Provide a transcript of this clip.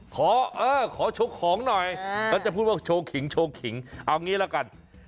ขอเออขอโชว์ของหน่อยแล้วจะพูดว่าโชว์ขิงโชว์ขิงเอางี้ละกัน